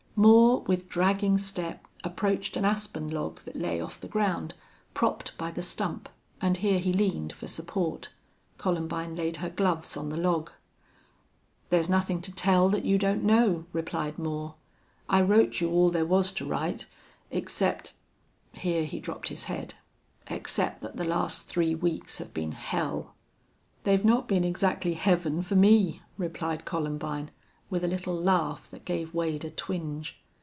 Moore, with dragging step, approached an aspen log that lay off the ground, propped by the stump, and here he leaned for support. Columbine laid her gloves on the log. "There's nothing to tell that you don't know," replied Moore. "I wrote you all there was to write, except" here he dropped his head "except that the last three weeks have been hell." "They've not been exactly heaven for me," replied Columbine, with a little laugh that gave Wade a twinge.